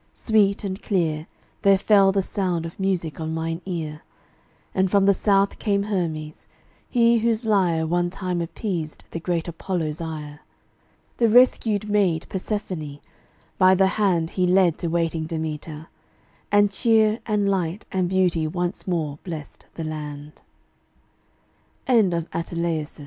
Sweet and clear There fell the sound of music on mine ear. And from the South came Hermes, he whose lyre One time appeased the great Apollo's ire. The rescued maid, Persephone, by the hand He led to waiting Demeter, and cheer And light and beauty once more blessed the land. COURAGE. There is